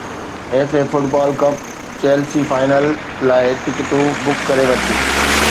FA football cup Chelsea final لاءِ ٽڪيٽون book ڪري ورتيون